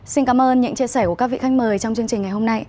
xin cảm ơn những chia sẻ của các vị khách mời trong chương trình ngày hôm nay